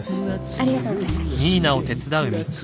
ありがとうございます。